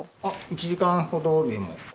１時間ほどで。